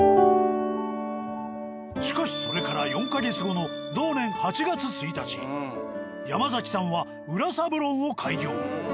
しかしそれから４か月後の同年８月１日山さんは「裏サブロン」を開業。